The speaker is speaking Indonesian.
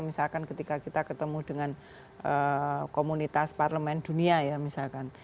misalkan ketika kita ketemu dengan komunitas parlemen dunia ya misalkan